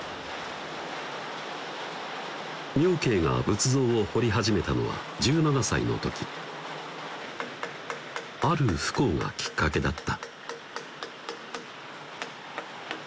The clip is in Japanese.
明慶が仏像を彫り始めたのは１７歳の時ある不幸がきっかけだった